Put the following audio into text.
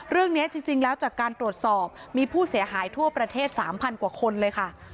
เรื่องนี้จริงแล้วจากการตรวจสอบมีผู้เสียหายทั่วประเทศ๓๐๐กว่าคนเลยค่ะ